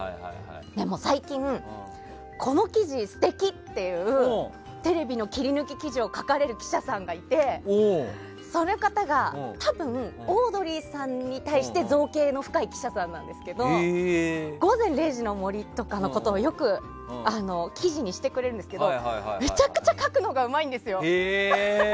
でも、最近この記事素敵！っていうテレビの切り抜き記事を書かれる記者さんがいてその方が多分オードリーさんに対して造詣の深い記者さんなんですけど「午前０時の森」とかのことをよく記事にしてくれるんですがめちゃくちゃ書くのがうまいんですよ。